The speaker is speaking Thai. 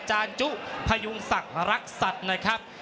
รอคะแนนจากอาจารย์สมาร์ทจันทร์คล้อยสักครู่หนึ่งนะครับ